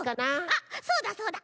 あっそうだそうだ！